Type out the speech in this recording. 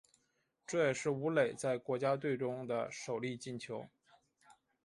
这也是武磊在国家队中的首粒进球。